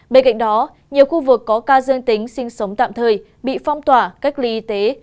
bên cạnh đó nhiều khu vực có ca dương tính sinh sống tạm thời bị phong tỏa cách ly y tế